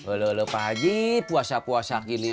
ulu ulu pak haji puasa puasa gini